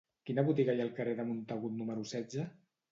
Quina botiga hi ha al carrer de Montagut número setze?